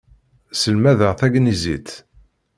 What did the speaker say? Selmadeɣ tagnizit.